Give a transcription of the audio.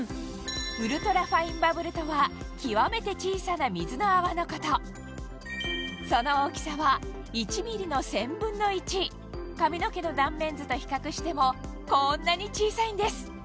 ウルトラファインバブルとは極めて小さな水の泡のことその大きさは髪の毛の断面図と比較してもこんなに小さいんです